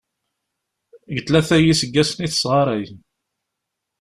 Deg tlata n yiseggasen i tesɣaray.